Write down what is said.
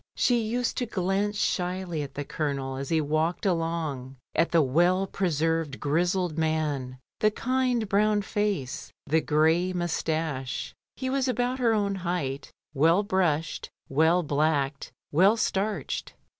She used to glance shyly at the Colonel as he walked along; at the well preserved grizzled man, the kind brown face, the grey moustache. He was about her own height, well brushed, well blacked, well starched.